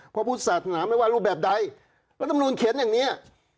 พอพูดสาธารณะไม่ว่ารูปแบบใดรัฐธรรมนุนเขียนอย่างนี้